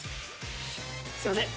すいません。